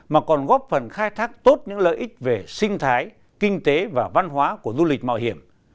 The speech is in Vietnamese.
mà còn góp phần khai thác tốt những lợi ích về sinh thái kinh tế và văn hóa của du lịch mạo hiểm